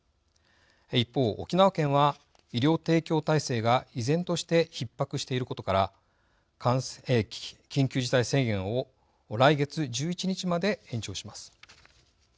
一方、沖縄県は医療提供体制が依然としてひっ迫していることから緊急事態宣言を来月１１日まで延長します。